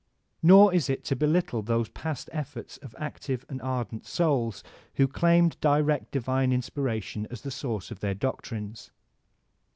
Nor is it to belittle those past efforts of active and ardent souls who claimed direct divine inspiration as the source of their doctrines.